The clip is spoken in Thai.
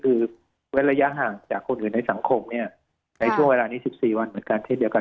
คือเว้นระยะห่างจากคนอื่นในสังคมเนี่ยในช่วงเวลานี้๑๔วันเหมือนกันเช่นเดียวกัน